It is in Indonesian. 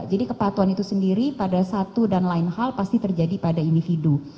jadi kepatuhan itu sendiri pada satu dan lain hal pasti terjadi pada individu